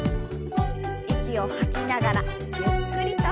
息を吐きながらゆっくりと。